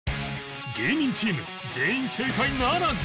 芸人チーム全員正解ならず